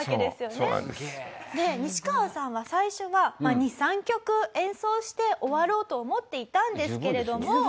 でニシカワさんは最初は２３曲演奏して終わろうと思っていたんですけれども。